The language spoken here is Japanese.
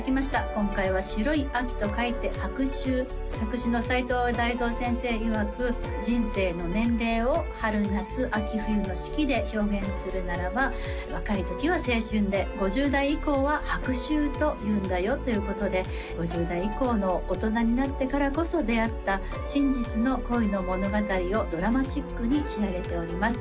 今回は「白い秋」と書いて「白秋」作詞のさいとう大三先生いわく人生の年齢を春夏秋冬の四季で表現するならば若い時は「青春」で５０代以降は「白秋」というんだよということで５０代以降の大人になってからこそ出会った真実の恋の物語をドラマチックに仕上げております